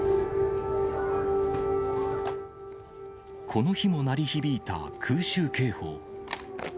この日も鳴り響いた空襲警報。